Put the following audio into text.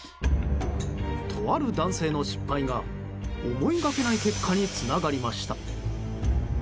とある男性の失敗が思いがけない結果につながりました。